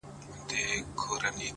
پایله د نیت او عمل ګډه مېوه ده.